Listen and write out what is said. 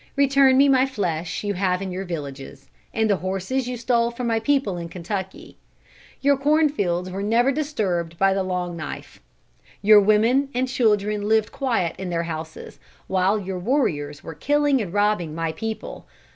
Return me my flesh you have in your villages, and the horses you stole from my people in Kentucky. Your corn fields were never disturbed by the Long Knife. Your women and children lived quiet in their houses, while your warriors were killing and robbing my people.